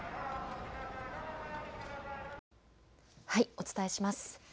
お伝えします。